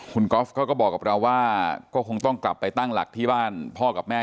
คุณก๊อฟเขาก็บอกกับเราว่าก็คงต้องกลับไปตั้งหลักที่บ้านพ่อกับแม่